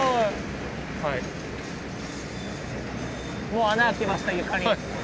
もう穴開きました床に。